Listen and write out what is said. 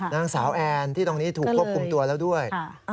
นางสาวแอนที่ตรงนี้ถูกควบคุมตัวแล้วด้วย